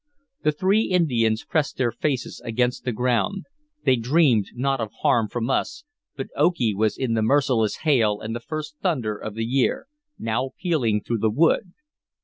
The three Indians pressed their faces against the ground; they dreamed not of harm from us, but Okee was in the merciless hail and the first thunder of the year, now pealing through the wood.